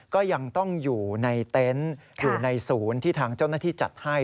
ก็ยังต้องอยู่ในเต็นต์อยู่ในศูนย์ที่ทางเจ้าหน้าที่จัดให้